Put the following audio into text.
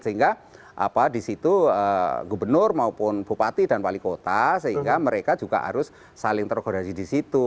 sehingga di situ gubernur maupun bupati dan wali kota sehingga mereka juga harus saling terkoordinasi di situ